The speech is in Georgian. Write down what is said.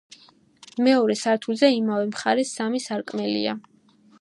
მეორე სართულზე, იმავე მხარეს, სამი სარკმელია.